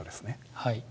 はい。